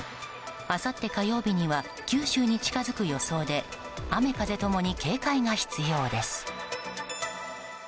あさって火曜日には九州に近づく予想で雨風ともに警戒が必要です。